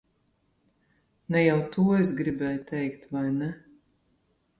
Ne jau to es gribēju teikt, vai ne?